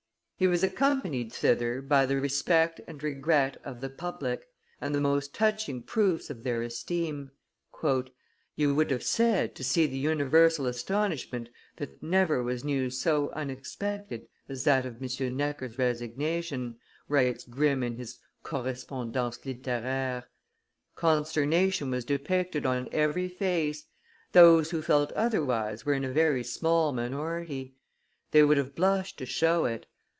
He was accompanied thither by the respect and regret of the public, and the most touching proofs of their esteem. "You would have said, to see the universal astonishment, that never was news so unexpected as that of M. Necker's resignation," writes Grimm in his Correspondance litteraire; "consternation was depicted on every face; those who felt otherwise were in a very small minority; they would have blushed to show it.